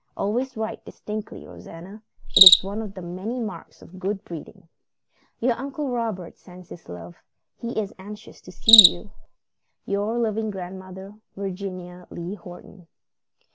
Always write distinctly, Rosanna. It is one of the many marks of good breeding. "Your Uncle Robert sends his love. He is anxious to see you. "Your loving grandmother, "VIRGINIA LEE HORTON."